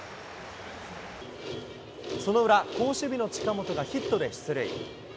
その裏、好守備の近本がヒットで出塁。